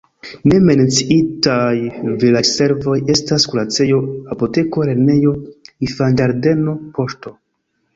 Ne menciitaj vilaĝservoj estas kuracejo, apoteko, lernejo, infanĝardeno, poŝto.